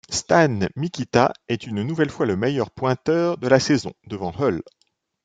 Stan Mikita est une nouvelle fois le meilleur pointeur de la saison, devant Hull.